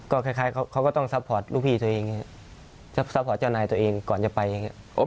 ก็คล้ายเขาก็ต้องซัพพอร์ตลูกพี่ตัวเองซัพพอร์ตเจ้านายตัวเองก่อนจะไปอย่างนี้